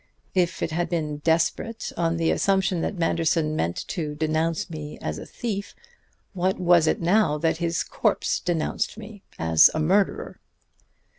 If it had been desperate on the assumption that Manderson meant to denounce me as a thief, what was it now that his corpse denounced me as a murderer?